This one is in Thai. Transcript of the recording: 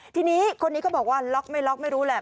ทีนี้คนนี้ก็บอกว่าล็อกไม่ล็อกไม่รู้แหละ